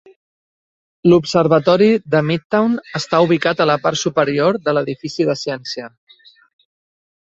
L'observatori de Midtown està ubicat a la part superior de l'edifici de ciència.